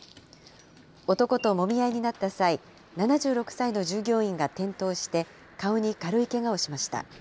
男ともみ合いになった際、７６歳の従業員が転倒して、顔に軽いけがをしました。